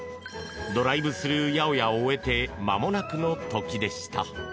ドライブスルー八百屋を終えてまもなくの時でした。